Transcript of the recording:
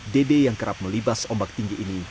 dede yang kerap melibas ombak tinggi ini